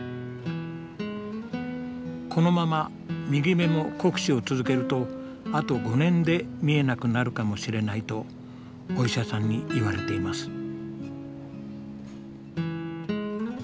このまま右目も酷使を続けるとあと５年で見えなくなるかもしれないとお医者さんに言われています。